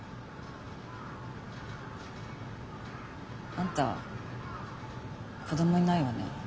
あんた子供いないわね。